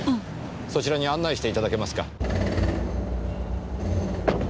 そちらに案内していただけますか。